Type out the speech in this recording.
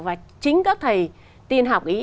và chính các thầy tin học ý